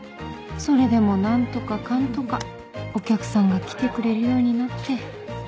それでも何とかかんとかお客さんが来てくれるようになって